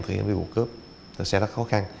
thực hiện vụ cướp sẽ rất khó khăn